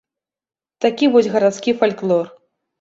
Такі вось гарадскі фальклор.